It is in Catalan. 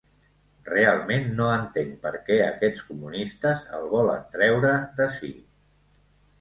Realment no entenc per què aquests comunistes el volen treure d’ací.